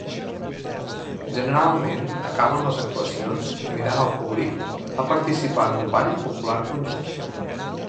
Generalment, acaben les actuacions convidant el públic a participar en un ball popular conjunt.